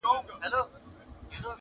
څوك به ليكي دېوانونه د غزلو!